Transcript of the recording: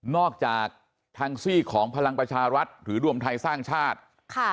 จากทางซี่ของพลังประชารัฐหรือรวมไทยสร้างชาติ